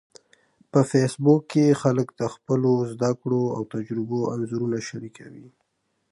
په فېسبوک کې خلک د خپلو زده کړو او تجربو انځورونه شریکوي